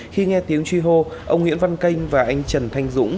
khi nghe tiếng truy hô ông nguyễn văn canh và anh trần thanh dũng